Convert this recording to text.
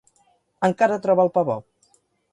Encara troba el pa bo.